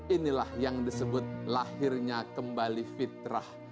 inilah yang disebut lahirnya kembali fitrah